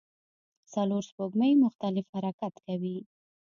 څلور سپوږمۍ مختلف حرکت کوي.